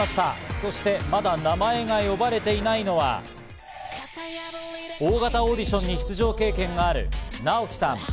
そしてまだ名前が呼ばれていないのは、大型オーディションに出場経験があるナオキさん。